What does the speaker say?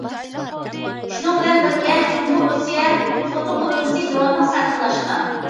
شۇنىڭ بىلەن بىرگە، جۇڭگو رۇسىيە سودا قۇرۇلمىسى داۋاملىق سەرخىللاشقان.